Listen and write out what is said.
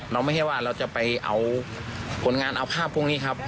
ไม่ใช่ว่าเราจะไปเอาผลงานเอาภาพพวกนี้ครับ